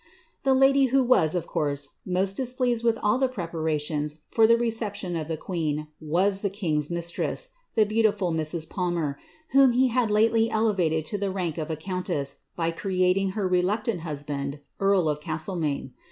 ^^' The lady who was, of course, most displeased with all the preparations for the reception of the queen, was the king's mistress, the beautiful Mrs. Palmer, whom he had lately elevated to the rank of a countess, by creating her reluctant hus band earl of Castlemaine.